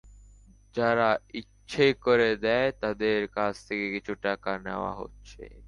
যারা ইচ্ছে করে দেয় তাদের কাছ থেকে কিছু টাকা নেওয়া হচ্ছে।